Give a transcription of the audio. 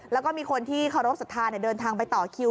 แล้วก็มีคนที่เคารพสัทธาเดินทางไปต่อคิว